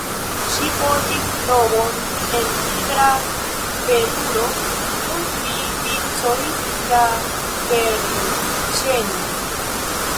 Ŝi portis robon el nigra veluro kun tri vicoj da perlĉenoj.